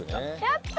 やった！